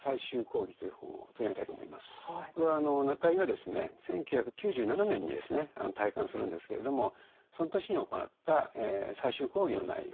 これは中井がですね１９９７年にですね退官するんですけれどもその年に行った最終講義の内容